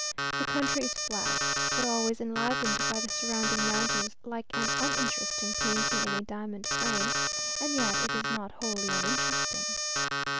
The country is flat, but always enlivened by the surrounding mountains, like an uninteresting painting in a diamond frame; and yet it is not wholly uninteresting.